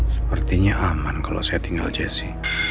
sepertinya aman kalo saya tinggal jasi